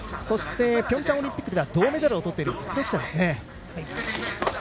そしてピョンチャンオリンピックでは銅メダルをとっている実力者ですね。